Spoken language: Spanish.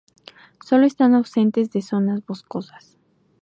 Solo están ausentes de zonas boscosas.